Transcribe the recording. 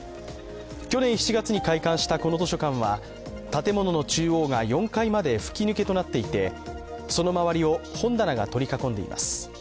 去年７月に開館したこの図書館は建物の中央が４階まで吹き抜けとなっていて、その周りを本棚が取り囲んでいます。